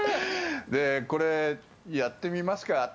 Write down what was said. これ、やってみますか？